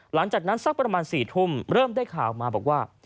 หลังจากนั้นสักประมาณ๔ทุ่มเริ่มได้ข่าวมาบอกว่า